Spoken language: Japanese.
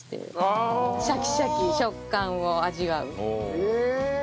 へえ！